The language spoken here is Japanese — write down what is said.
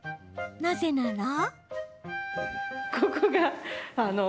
なぜなら。